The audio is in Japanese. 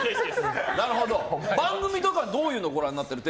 番組とかはどういうのをご覧になってる？